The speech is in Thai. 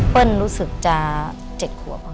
เปิ้ลรู้สึกจะ๗ครับ